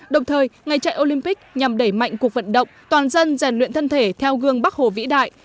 đồng thời ngày chạy olympic nhằm đẩy mạnh cuộc vận động toàn dân rèn luyện thân thể theo gương bắc hồ vĩ đại